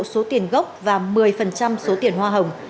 số tiền gốc và một mươi số tiền hoa hồng